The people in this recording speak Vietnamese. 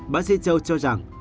bác sĩ châu cho rằng